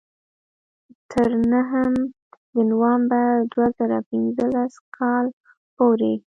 تر نهم د نومبر دوه زره پینځلس کال پورې.